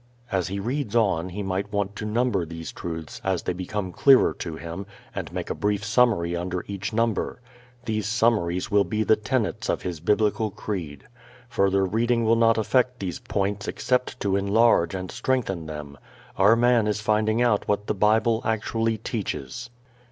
As he reads on he might want to number these truths as they become clear to him and make a brief summary under each number. These summaries will be the tenets of his Biblical creed. Further reading will not affect these points except to enlarge and strengthen them. Our man is finding out what the Bible actually teaches.